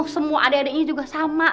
semua adek adeknya juga sama